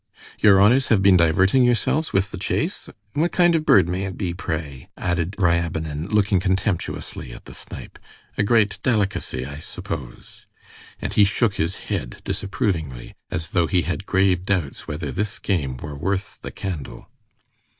"Your honors have been diverting yourselves with the chase? What kind of bird may it be, pray?" added Ryabinin, looking contemptuously at the snipe: "a great delicacy, I suppose." And he shook his head disapprovingly, as though he had grave doubts whether this game were worth the candle.